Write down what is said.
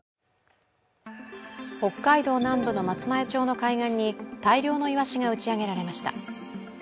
北海道南部の松前町の海岸に大量のいわしが打ち上げられました。